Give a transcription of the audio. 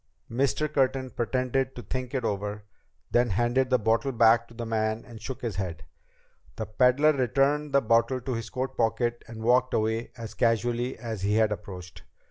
Mr. Curtin pretended to think it over. Then he handed the bottle back to the man and shook his head. The peddler returned the bottle to his coat pocket and walked away as casually as he had approached.